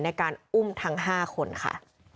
ในการอุ้มทั้ง๕คนค่ะ